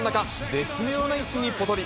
絶妙な位置にぽとり。